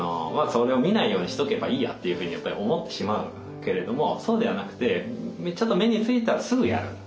それを見ないようにしとけばいいやというふうにやっぱり思ってしまうけれどもそうではなくてちょっと目についたらすぐやる。